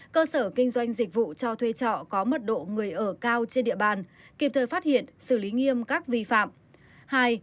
cơ sở kinh doanh dịch vụ cho thuê trọ có mật độ người ở cao trên địa bàn kịp thời phát hiện xử lý nghiêm các vi phạm